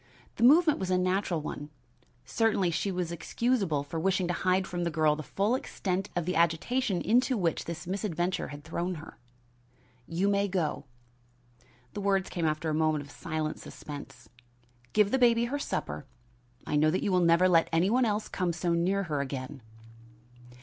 The movement was a natural one. Certainly she was excusable for wishing to hide from the girl the full extent of the agitation into which this misadventure had thrown her. "You may go." The words came after a moment of silent suspense. "Give the baby her supper I know that you will never let any one else come so near her again."